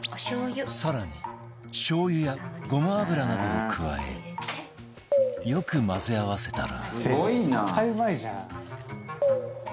更にしょう油やごま油などを加えよく混ぜ合わせたら